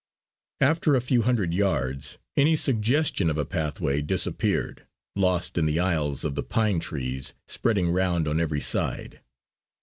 After a few hundred yards any suggestion of a pathway disappeared, lost in the aisles of the pine trees spreading round on every side.